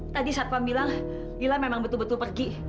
tadi saat pam bilang lila memang betul betul pergi